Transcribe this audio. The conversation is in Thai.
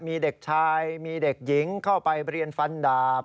มีเด็กชายมีเด็กหญิงเข้าไปเรียนฟันดาบ